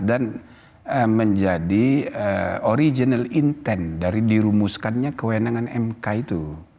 dan menjadi original intent dari dirumuskannya kewenangan mk itu